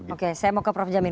oke saya mau ke prof jamin